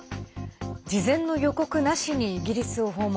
事前の予告なしにイギリスを訪問。